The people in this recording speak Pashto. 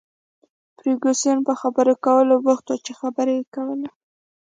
فرګوسن په خبرو کولو بوخته وه، خبرې یې کولې.